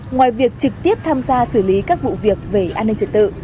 ngoài việc trực tiếp tham gia xử lý các vụ việc về an ninh trật tự